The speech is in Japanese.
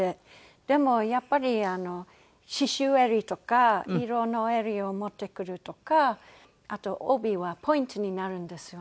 でもやっぱり刺繍襟とか色の襟を持ってくるとかあと帯はポイントになるんですよね。